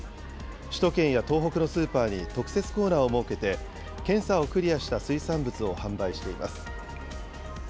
首都圏や東北のスーパーに特設コーナーを設けて、検査をクリアした水産物を販売しています。